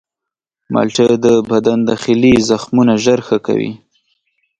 مالټې د بدن داخلي زخمونه ژر ښه کوي.